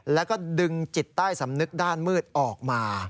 แล้วก็ดึงจิตใต้สำนึกด้านมืดออกมา